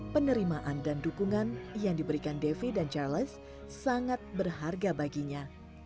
penerimaan dan dukungan yang diberikan devi dan charles sangat berharga baginya